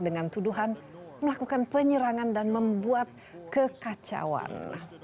dengan tuduhan melakukan penyerangan dan membuat kekacauan